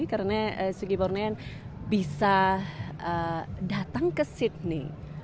karena sugi bornean bisa datang ke sydney